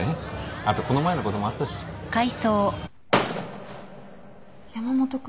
あとこの前のこともあったし。山本君